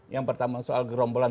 yang pertama soal gerombolan